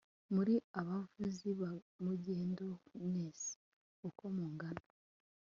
muri abavuzi ba magendu, mwese uko mungana